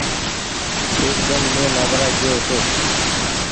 ايڪ ۮن مين نآدرا گئيو هيتو۔